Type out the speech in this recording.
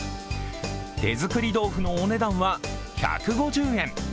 手作り豆腐のお値段は１５０円。